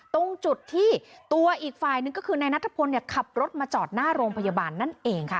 ตรงจุดที่ตัวอีกฝ่ายหนึ่งก็คือนายนัทพลขับรถมาจอดหน้าโรงพยาบาลนั่นเองค่ะ